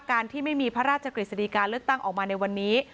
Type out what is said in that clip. การที่ไม่มีพระราชกฤษฎีการเลือกตั้งออกมาในวันนี้